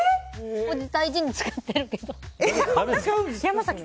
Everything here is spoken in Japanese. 大事に使ってるけど。